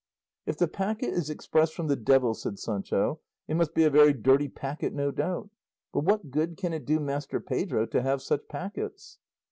"If the packet is express from the devil," said Sancho, "it must be a very dirty packet no doubt; but what good can it do Master Pedro to have such packets?"